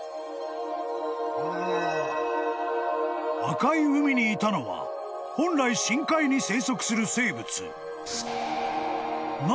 ［赤い海にいたのは本来深海に生息する生物］